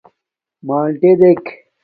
مݳلٹݺ دݵک.